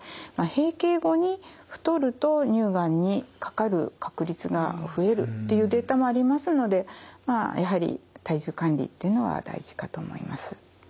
閉経後に太ると乳がんにかかる確率が増えるというデータもありますのでやはり体重管理というのは大事かと思います。